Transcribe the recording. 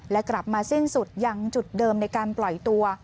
และกลับมาสิ้นสุดยังจุดเดิมในการปล่อยตัว